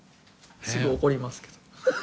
すぐ怒りますけど。